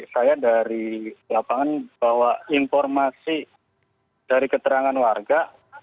saya dari lapangan bawa informasi dari keterangan warga